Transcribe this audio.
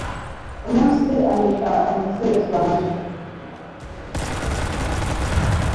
umunsi inyita umuzezwanzu